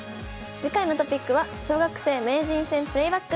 次回のトピックは「小学生名人戦プレイバック」。